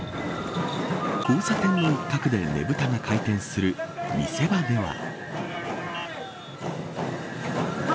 交差点の一角でねぶたが回転する見せ場では。